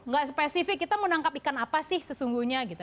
gak spesifik kita menangkap ikan apa sih sesungguhnya gitu